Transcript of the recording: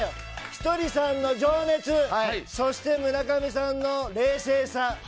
ひとりさんの情熱そして、村上さんの冷静さ